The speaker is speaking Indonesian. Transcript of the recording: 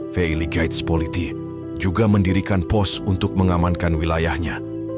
veiligaits politi juga mendirikan pos untuk mengamankan wilayahnya